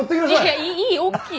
いやいい大きい。